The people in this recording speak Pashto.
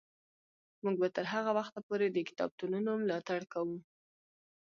موږ به تر هغه وخته پورې د کتابتونونو ملاتړ کوو.